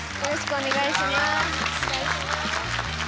お願いします。